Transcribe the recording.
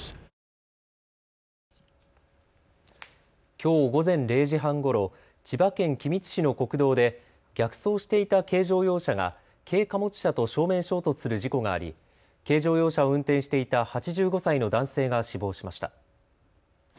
きょう午前０時半ごろ千葉県君津市の国道で逆走していた軽乗用車が軽貨物車と正面衝突する事故があり軽乗用車を運転していた８５歳の男性が死亡しました。